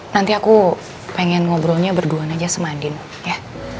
nanti aku pengen ngobrolnya berduaan aja sama andin ya